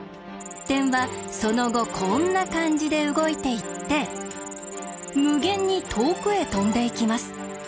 点はその後こんな感じで動いていって無限に遠くへ飛んでいきます。